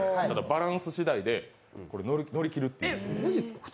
バランス次第でこれ、乗り切るっていう。